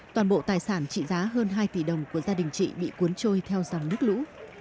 toàn bộ tài sản trị giá hơn hai tỷ đồng của gia đình chị bị cuốn trôi theo dòng nước lũ